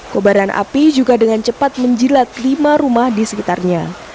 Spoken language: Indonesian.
kobaran api juga dengan cepat menjilat lima rumah di sekitarnya